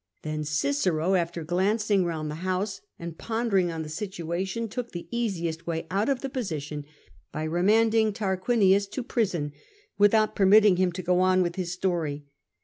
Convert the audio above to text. Then Cicero, after glancing round the house and pondering on the situation, took the easiest way out of the position by remanding Tarquinius to prison, without permitting him to go on with his story.